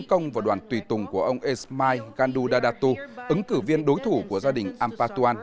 tấn công vào đoàn tùy tùng của ông esmail gandudadatu ứng cử viên đối thủ của gia đình ampatuan